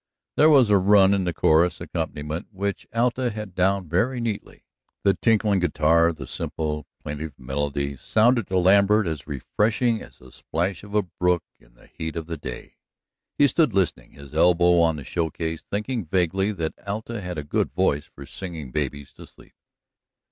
There was a run in the chorus accompaniment which Alta had down very neatly. The tinkling guitar, the simple, plaintive melody, sounded to Lambert as refreshing as the plash of a brook in the heat of the day. He stood listening, his elbow on the show case, thinking vaguely that Alta had a good voice for singing babies to sleep.